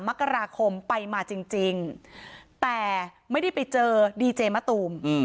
มกราคมไปมาจริงแต่ไม่ได้ไปเจอดีเจมะตูม